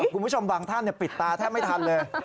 คุณผู้ชมบางท่านปิดตาแทบไม่ทันเลย